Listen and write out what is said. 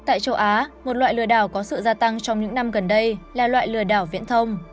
tại châu á một loại lừa đảo có sự gia tăng trong những năm gần đây là loại lừa đảo viễn thông